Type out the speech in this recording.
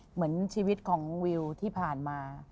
เหมือนชีวิตของวิวที่ผ่านมา